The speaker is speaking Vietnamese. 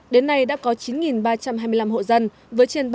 đến nay đặc biệt là trong đó có sáu xã